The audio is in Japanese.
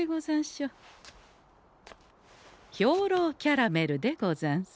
兵糧キャラメルでござんす。